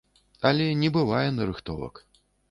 Але не бывае нарыхтовак.